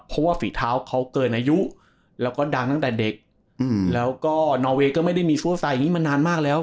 เพราะว่าฝีเท้าเขาเกินอายุแล้วก็ดังตั้งแต่เด็กแล้วก็นอเวย์ก็ไม่ได้มีฟั่วไซดอย่างนี้มานานมากแล้ว